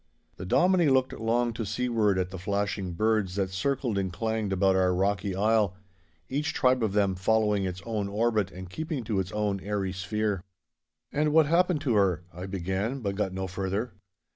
The Dominie looked long to seaward at the flashing birds that circled and clanged about our rocky isle, each tribe of them following its own orbit and keeping to its own airy sphere. 'And what happened to her?' I began, but got no further.